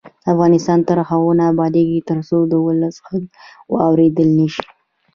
افغانستان تر هغو نه ابادیږي، ترڅو د ولس غږ واوریدل نشي.